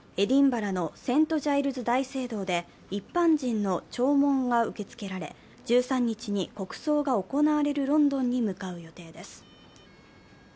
１２日にはエディンバラのセント・ジャイルズ大聖堂で一般人の弔問が受け付けられ、１３日に国葬が行われるロンドンに向かう予定です。